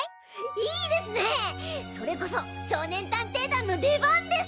いいですねぇそれこそ少年探偵団の出番です！